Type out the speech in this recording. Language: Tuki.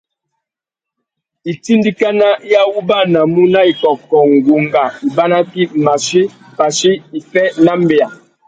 Itindikana i awubanamú na ikôkô, ngunga, ibanakí, machí, pachí, iffê na mbeya.